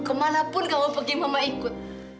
kemana pun kamu pergi mama ikut